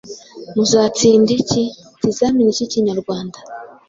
Muzatsinda iki? Ikizamini k’Ikinyarwanda